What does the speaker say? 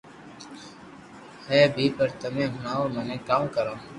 ھي پر تمي ھڻاوُ مني ڪاو ڪرو